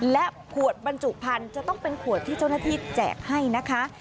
และขวดบรรจุพันธุ์จะต้องเป็นขวดที่เจ้าหน้าที่แจกให้นะคะ